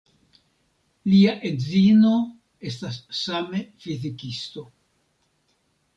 Lia edzino estas same fizikisto.